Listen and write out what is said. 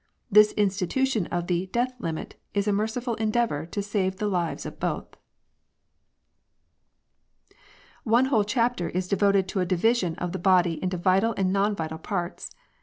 This institution of the * death limit ' is a merciful endeavour to save the lives of both." • One whole chapter is devoted to a division of the body into vital and non vital parts.